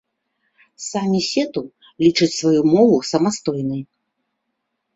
Самі сету лічаць сваю мову самастойнай.